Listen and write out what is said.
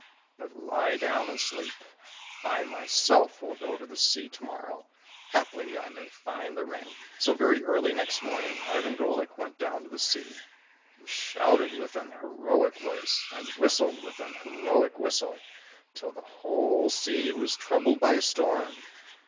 But lie down and sleep ! I myself will go to the sea to morrow, haply I may find the ring." So, very early next morning, Ivan Golik went down to the sea. He shouted with an heroic voice, and whistled with an heroic whistle, till the whole sea was troubled by a storm.